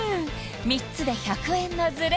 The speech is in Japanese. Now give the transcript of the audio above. ３つで１００円のズレ